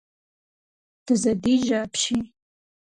Дызэдижьэ апщий!